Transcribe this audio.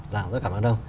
rõ ràng rất cảm ơn ông